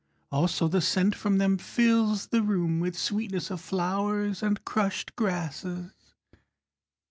Also the scent from them fills the room With sweetness of flowers and crushed grasses.